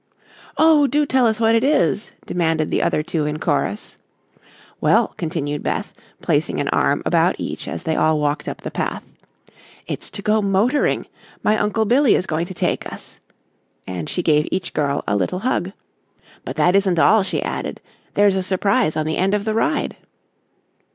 "Oh, do tell us what it is," demanded the other two in chorus. "Well," continued Beth, placing an arm about each as they all walked up the path, "it's to go motoring. My uncle Billy is going to take us," and she gave each girl a little hug. "But that isn't all," she added. "There's a surprise on the end of the ride."